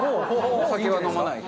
お酒は飲まないけど。